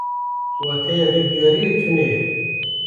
Wateya vê diyariyê tune ye.